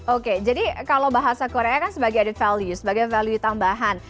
oke jadi kalau bahasa korea kan sebagai added value sebagai value tambahan